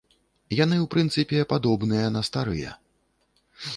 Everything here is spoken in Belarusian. Яны, у прынцыпе, падобныя на старыя.